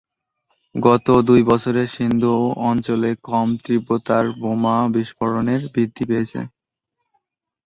গত দুই বছরে সিন্ধু অঞ্চলে কম তীব্রতার বোমা বিস্ফোরণ বৃদ্ধি পেয়েছে।